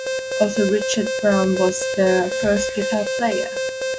Also Richard Brown was their first guitar player.